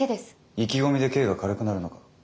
意気込みで刑が軽くなるのか？